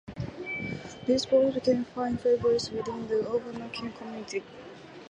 These boards became firm favorites within the overclocking community.